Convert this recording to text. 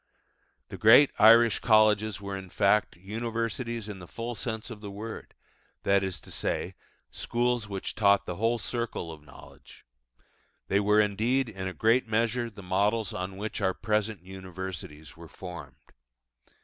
The great Irish colleges were, in fact, universities in the full sense of the word, that is to say, schools which taught the whole circle of knowledge: they were, indeed, in a great measure the models on which our present universities were formed.